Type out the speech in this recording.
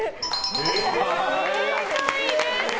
正解です！